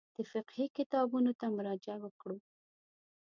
د فقهي کتابونو ته مراجعه وکړو.